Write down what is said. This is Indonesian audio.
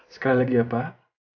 sekali lagi ya pak